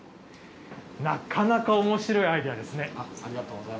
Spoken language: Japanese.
なかなかおもしろいアイデアですね。